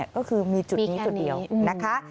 ก็คือมีจุดนี้จุดเดียวนะคะ